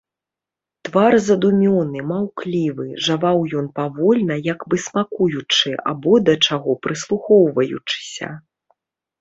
Твар задумёны, маўклівы, жаваў ён павольна, як бы смакуючы або да чаго прыслухоўваючыся.